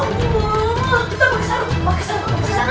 kita pake sarung pake sarung